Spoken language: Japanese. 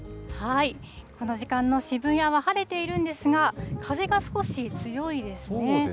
この時間の渋谷は晴れているんですが、風が少し強いですね。